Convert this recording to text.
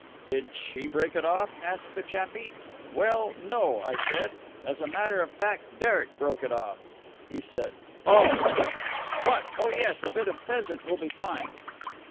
'Did she break it off?' asked the chappie. 'Well, no,' I said. 'As a matter of fact Derek broke it off.' He said 'Oh!' (What? Oh yes, a bit of pheasant will be fine.)